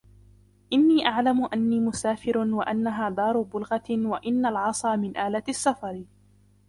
إنِّي أَعْلَمُ أَنِّي مُسَافِرٌ وَأَنَّهَا دَارُ بُلْغَةٍ وَإِنَّ الْعَصَا مِنْ آلَةِ السَّفَرِ